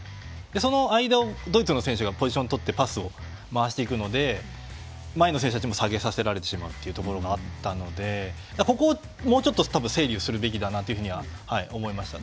その間のドイツの選手がポジションとってパスを回していくので前の選手たちも下げさせられてしまったのでここをもうちょっと整理すべきだなと思いました。